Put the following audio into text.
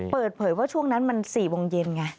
เปิดเผยว่าช่วงนั้นมัน๔โมงเย็นไง